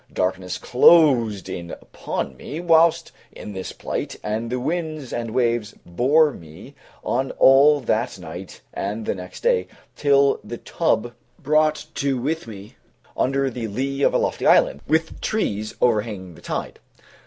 Darkness closed in upon me while in this plight, and the winds and waves bore me on all that night and the next day, till the tub brought to with me under the lee of a lofty island, with trees overhanging the tide.